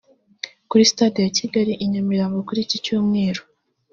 Kuri Stade ya Kigali i Nyamirambo kuri iki Cyumweru